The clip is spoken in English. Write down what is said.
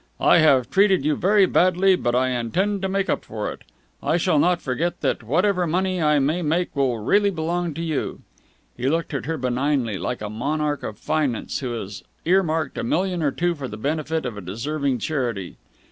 I have treated you very badly, but I intend to make up for it. I shall not forget that whatever money I may make will really belong to you." He looked at her benignly, like a monarch of finance who has earmarked a million or two for the benefit of a deserving charity.